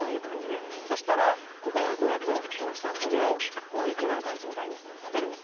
そしたら、上と下のトゲを今の感じみたいに立てるんです。